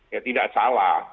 ya tidak salah